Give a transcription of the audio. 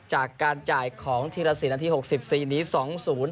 จากการจ่ายของธีรศิลป์นัดที่๖๔หนี๒ศูนย์